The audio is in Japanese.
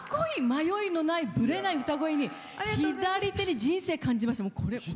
迷いのないぶれない歌声に、左手に人生を感じました。